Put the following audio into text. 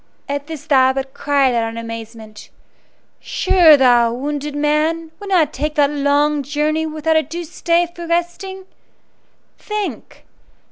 At this the Abbot cried out in amazement: "Sure thou, wounded man, would not take that long journey without a due stay for resting! Think!